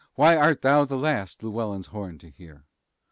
Why art thou the last Llewellyn's horn to hear?